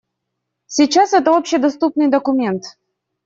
Сейчас это общедоступный документ.